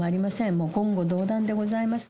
もう言語道断でございます。